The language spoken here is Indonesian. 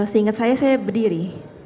seingat saya saya berdiri